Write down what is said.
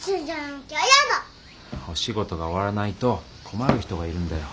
お仕事が終わらないと困る人がいるんだよ。